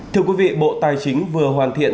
thưa quý vị bộ tài chính vừa hoàn thiện